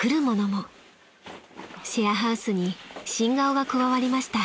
［シェアハウスに新顔が加わりました］